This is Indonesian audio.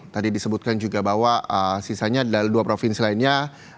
tadi disebutkan juga bahwa sisanya adalah dua provinsi lainnya